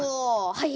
はい。